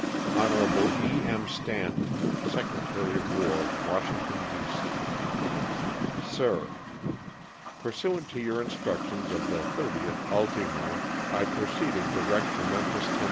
''Hon. E. M. Stanton, Secretary of War, Washington, D. C: "Sir — Pursuant to your instructions of the 30th ult., 1 pro ceeded direct to Memphis, Tenn.